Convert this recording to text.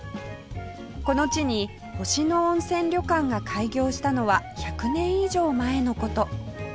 この地に星野温泉旅館が開業したのは１００年以上前の事